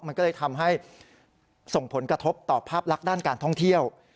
มันก็เลยทำให้ส่งผลกระทบต่อภาพลักษณ์ด้านการท่องเที่ยว